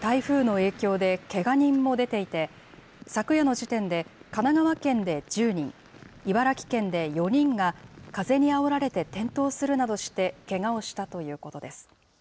台風の影響でけが人も出ていて、昨夜の時点で神奈川県で１０人、茨城県で４人が、風にあおられて転倒するなどして、けがをしたということです。